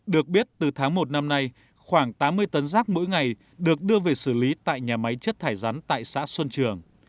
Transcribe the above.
được biết từ tháng một năm nay khoảng tám mươi tấn rác mỗi ngày được đưa về xử lý tại nhà máy chất thải rắn tại xã xuân trường